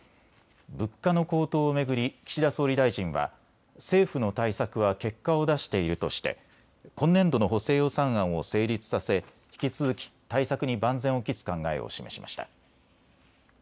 物価の高騰を巡り岸田総理大臣は政府の対策は結果を出しているとして今年度の補正予算案を成立させ引き続き対策に万全を期す考えを示しました。